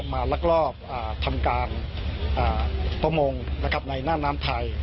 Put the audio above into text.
ลักลอบทำการประมงในหน้าน้ำไทย